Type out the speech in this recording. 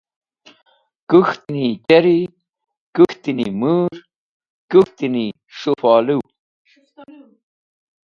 Kũk̃hteni cherri, kũkhteni mũr, kũk̃hteni s̃hũfolũw.